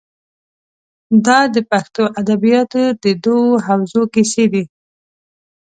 دا د پښتو ادبیاتو د دوو حوزو کیسې دي.